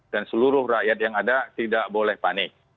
dan seluruh rakyat yang ada tidak boleh panik